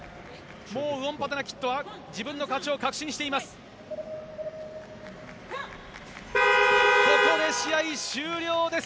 もうウオンパタナキットは自分の勝ちを確信しています。